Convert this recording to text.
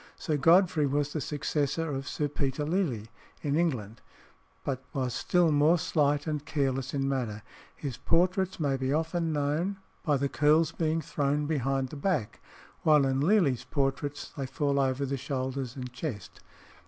Sir Godfrey was the successor of Sir Peter Lely in England, but was still more slight and careless in manner. His portraits may be often known by the curls being thrown behind the back, while in Lely's portraits they fall over the shoulders and chest.